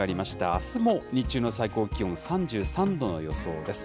あすも日中の最高気温３３度の予想です。